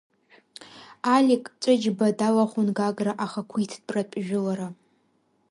Алик Ҵәыџьба далахәын Гагра ахақәиҭтәратә жәылара.